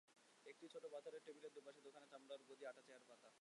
একটি ছোট পাথরের টেবিলের দুপাশে দুখানা চামড়ার গদি-আঁটা চেয়ার পাতা।